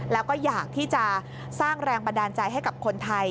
แล้วก็อยากที่จะสร้างแรงบันดาลใจให้กับคนไทย